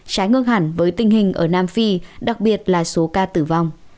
trái ngược hẳn với tình hình ở nam phi đặc biệt là số ca tử vong